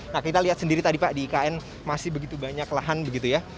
nah kita lihat sendiri tadi pak di ikn masih begitu banyak lahan begitu ya